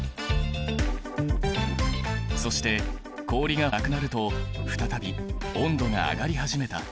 そして氷がなくなると再び温度が上がり始めた。